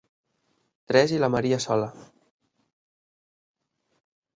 Tres i la Maria sola.